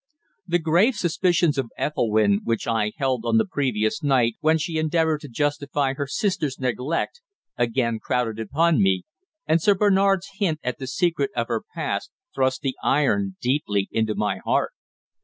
The grave suspicions of Ethelwynn which I had held on the previous night when she endeavoured to justify her sister's neglect again crowded upon me, and Sir Bernard's hint at the secret of her past thrust the iron deeply into my heart.